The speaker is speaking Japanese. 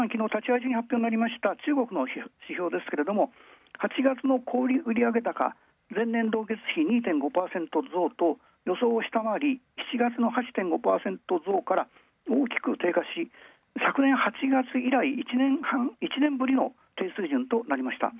昨日、発表になりました中国の指標ですけど小売売上高前年同月比、２．５％増と予想を下回り、７月の８．５％増から大きく低下し、昨年８月以来、１年ぶりの低水準となりました。